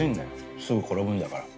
すぐ転ぶんだから。